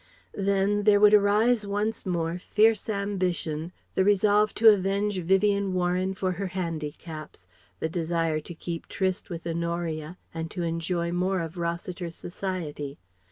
Then there would arise once more fierce ambition, the resolve to avenge Vivien Warren for her handicaps, the desire to keep tryst with Honoria and to enjoy more of Rossiter's society.